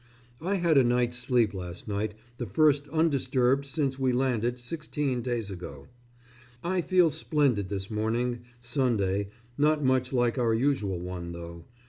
I had a night's sleep last night, the first undisturbed since we landed sixteen days ago. I feel splendid this morning, Sunday not much like our usual one, though.